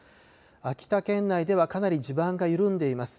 秋田県内ではかなり地盤が緩んでいます。